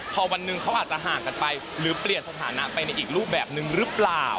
พอวันหนึ่งเขาอาจจะห่างกันไปหรือเปลี่ยนสถานะไปในอีกรูปแบบนึงหรือเปล่า